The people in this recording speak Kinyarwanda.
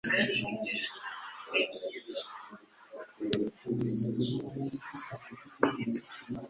Gusoma ibitabo byinshi nibintu byiza.